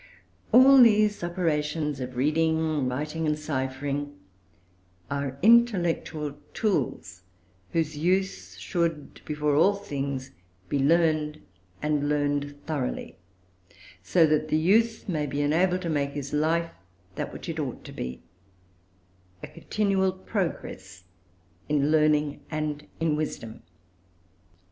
All these operations of reading, writing, and ciphering, are intellectual tools, whose use should, before all things, be learned, and learned thoroughly; so that the youth may be enabled to make his life that which it ought to be, a continual progress in learning and in wisdom.